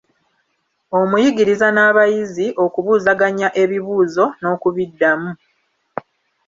Omuyigiriza n'abayizi okubuuzaganya ebibuzo n'okubiddamu.